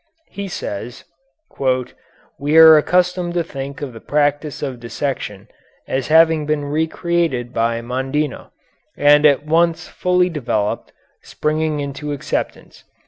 He says: "We are accustomed to think of the practice of dissection as having been re created by Mondino, and at once fully developed, springing into acceptance.